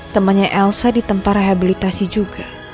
temannya elsa di tempat rehabilitasi juga